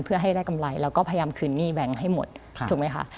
เพื่อให้ได้กำไรแล้วก็พยายามคืนหนี้แบงค์ให้หมดถูกไหมคะ